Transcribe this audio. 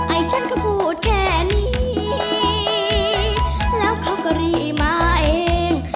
ไอ้ฉันก็พูดแค่นี้แล้วเขาก็รีมาเอง